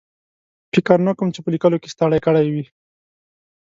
فکر نه کوم چې په لیکلو کې ستړی کړی وي.